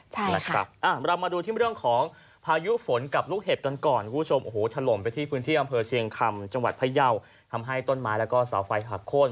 ใช่ค่ะอ่าพายุฝนกับลูกเห็ปกันก่อนคุณผู้ชมโอ้โหถล่มไปที่พื้นเที่ยงอำเผอเชียงคำจังหวัดพระเยาทำให้ต้นไม้แล้วก็สาวไฟหักโค้น